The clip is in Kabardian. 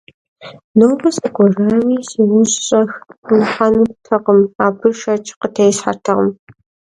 Нобэ сыкӀуэсами, си ужь щӀэх нихьэнуӀатэкъым – абы шэч къытесхьэртэкъым.